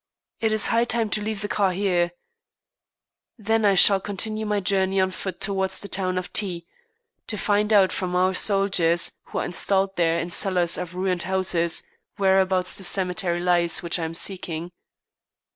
It is high time to leave the car here! Then I shall continue my journey on foot towards the town of T , to find out from our soldiers who are installed there in cellars of ruined houses, whereabouts the cemetery lies which I am seeking.